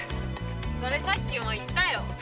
それさっきも言ったよ。